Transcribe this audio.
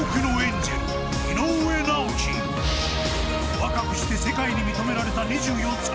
若くして世界に認められた２４歳。